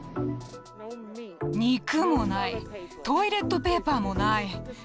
肉もない、トイレットペーパーもない。